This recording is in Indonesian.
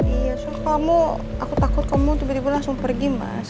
iya kamu aku takut kamu tiba tiba langsung pergi mas